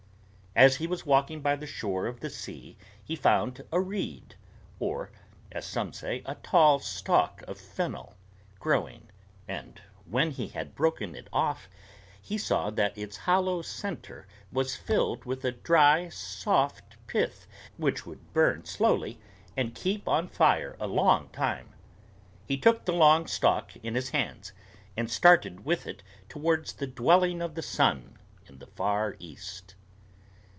As he was walking by the shore of the sea he found a reed, or, as some say, a tall stalk of fennel, growing; and when he had broken it off he saw that its hollow center was filled with a dry, soft pith which would burn slowly and keep on fire a long time. He took the long stalk in his hands, and started with it towards the dwelling of the sun in the far east.